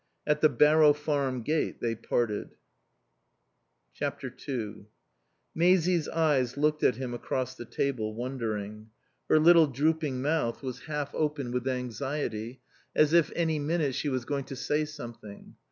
At the Barrow Farm gate they parted. ii Maisie's eyes looked at him across the table, wondering. Her little drooping mouth was half open with anxiety, as if any minute she was going to say something.